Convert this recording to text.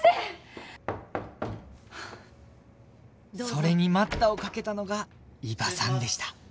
それに待ったをかけたのが伊庭さんでした